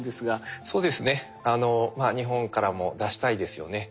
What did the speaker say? そうですね日本からも出したいですよね。